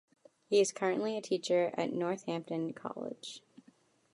He is currently a teacher at Northampton College.